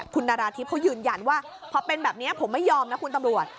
คุณนาราธิบเขายืนยันว่าพอเป็นแบบนี้ผมไม่ยอมนะคุณตำรวจ